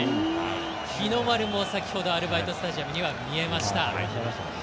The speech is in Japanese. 日の丸も先ほどアルバイトスタジアムには見えました。